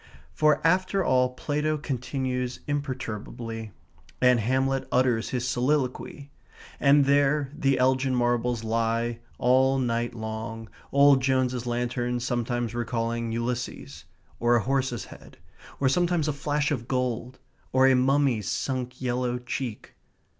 For after all Plato continues imperturbably. And Hamlet utters his soliloquy. And there the Elgin Marbles lie, all night long, old Jones's lantern sometimes recalling Ulysses, or a horse's head; or sometimes a flash of gold, or a mummy's sunk yellow cheek.